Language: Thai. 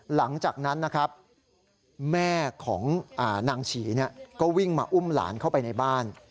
หลังจากนั้นนะครับแม่ของนางฉีก็วิ่งมาอุ้มหลานเข้าไปในบ้าน